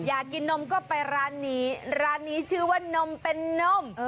อยากกินนมก็ไปร้านนี้ร้านนี้ชื่อว่านมเป็นนม